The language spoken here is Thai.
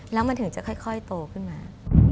แล้วมันถึงจะค่อยโตขึ้นมา